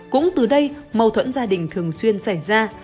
cũng từ đây mâu thuẫn gia đình thường xuyên xảy ra